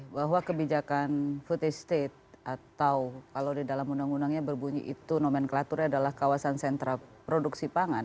bahwa kebijakan food estate atau kalau di dalam undang undangnya berbunyi itu nomenklaturnya adalah kawasan sentra produksi pangan